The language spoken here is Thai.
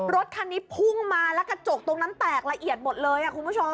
รถคันนี้พุ่งมาแล้วกระจกตรงนั้นแตกละเอียดหมดเลยคุณผู้ชม